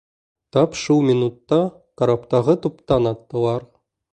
Тап шул минутта караптағы туптан аттылар.